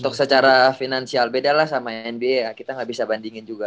untuk secara finansial bedalah sama nba kita ga bisa bandingin juga